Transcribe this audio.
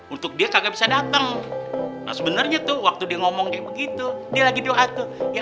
untuk dia kagak bisa dateng nah sebenernya tuh waktu dia ngomongnya gitu dia lagi doa tuh ya